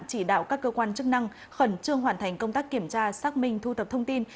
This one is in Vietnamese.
chỉ đạo các cơ quan chức năng khẩn trương hoàn thành công tác kiểm tra xác minh thu thập thông tin